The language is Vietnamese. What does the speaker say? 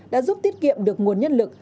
đã giúp tiết kiệm được nguồn nhất lực